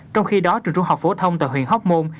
trong khi đó trường trung học phổ thông tại huyện hóc môn